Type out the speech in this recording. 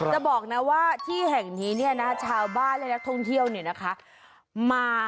จะบอกนะว่าที่แห่งนี้เนี่ยนะ